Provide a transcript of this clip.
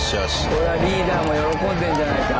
これはリーダーも喜んでんじゃないか？